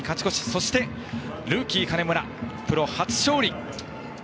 そして、ルーキー金村プロ初勝利。